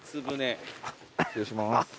失礼します。